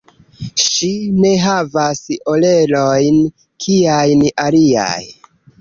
Ŝi ne havas orelojn kiajn aliaj.